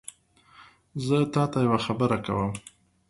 زه تاته یوه خبره کوم